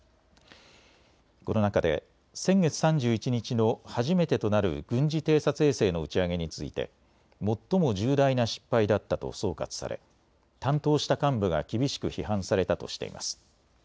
この中で先月３１日の初めてとなる軍事偵察衛星の打ち上げについて最も重大な失敗だったと総括され担当した幹部が厳しく批判されたとしています。